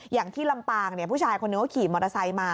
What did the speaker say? อย่างที่ลำปางผู้ชายคนหนึ่งก็ขี่มอเตอร์ไซส์มา